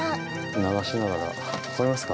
流しながら、分かりますか？